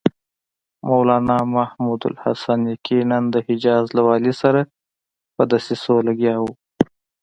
مولنا محمودالحسن یقیناً د حجاز له والي سره په دسیسو لګیا و.